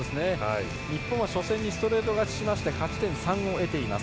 日本は初戦にストレート勝ちして勝ち点３を得ています。